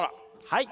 はい。